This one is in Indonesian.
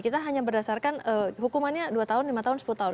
kita hanya berdasarkan hukumannya dua tahun lima tahun sepuluh tahun